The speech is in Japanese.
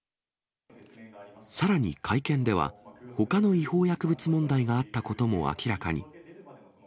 さらに会見では、ほかの違法薬物問題があったことも明らかに。